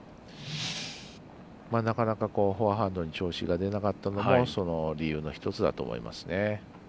なかなかフォアハンドの調子が出なかったのもその理由の１つだと思います。